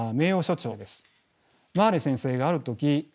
マーレー先生がある時